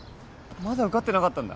まだ受かってなかったんだ？